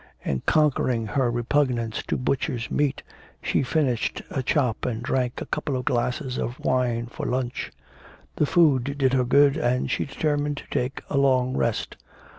And, conquering her repugnance to butchers' meat, she finished a chop and drank a couple of glasses of wine for lunch. The food did her good, and she determined to take a long rest.